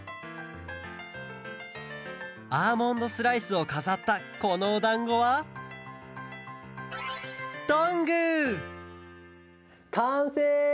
アーモンドスライスをかざったこのおだんごはかんせい！